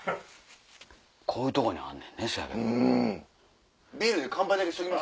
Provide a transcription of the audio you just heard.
こういうとこにあんねんねそやけど。